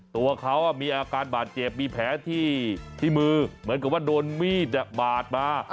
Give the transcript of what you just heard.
ตัวเขามีอาการบาดเจ็บมีแผลที่มือเหมือนกับว่าโดนมีดบาดมา